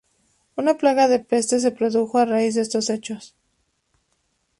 Una plaga de peste se produjo a raíz de estos hechos.